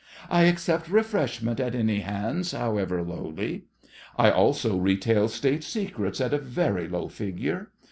I accept refreshment at any hands, however lowly. I also retail State secrets at a very low figure.